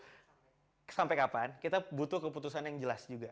terus kita harus menunggu tapi menunggunya itu sampai kapan kita butuh keputusan yang jelas juga